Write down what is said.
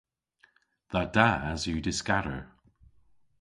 Dha das yw dyskador.